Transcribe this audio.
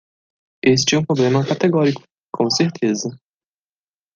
Este é um problema categórico, com certeza.